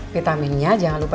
vitaminnya jangan lupa